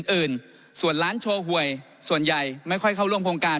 อื่นส่วนร้านโชว์หวยส่วนใหญ่ไม่ค่อยเข้าร่วมโครงการ